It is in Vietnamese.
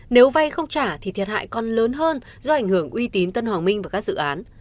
nếu vay không trả thì thiệt hại còn lớn hơn do ảnh hưởng uy tín tân hoàng minh và các dự án